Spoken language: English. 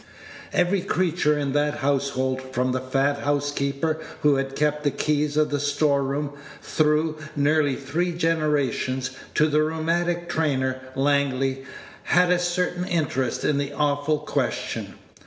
Every creature in that household, from the fat housekeeper who had kept the keys of the store room through nearly three generations, to the rheumatic trainer, Langley, had a certain interest in the awful question.